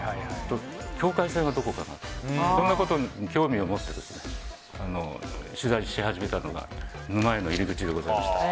境界線はどこかなとそんなことに興味を持って取材し始めたのが沼への入り口でございました。